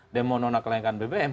demo nona kelayakan bbm